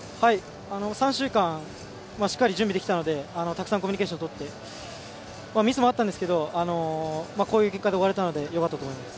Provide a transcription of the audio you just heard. ３週間しっかり準備ができたので、たくさんコミュニケーションを取って、ミスもあったんですけれど、こういう結果で終われたのでよかったと思います。